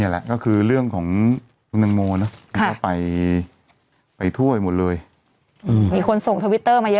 เยอะนี่เมื่อกี้เขาไปดูทวิตเตอร์มา